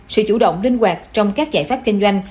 sự chủ động linh hoạt trong các giải pháp kinh doanh